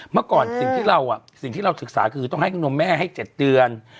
เมื่อก่อนสิ่งที่เราศึกษาคือต้องให้นมแม่ให้๗เดือน